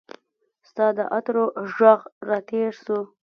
ستا د عطرو ږغ راتیر سو